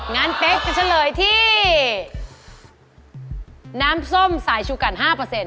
งั้นเป๊ะจะเฉลยที่น้ำส้มสายชูกันห้าเปอร์เซ็นต์